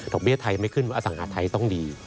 ดอกเบี้ยไทยไม่ขึ้นอสังหาฯไทยต้องดี